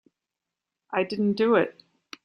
I didn't do it.